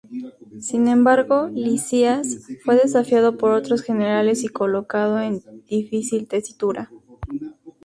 Sin embargo, Lisias fue desafiado por otros generales y colocado en difícil tesitura.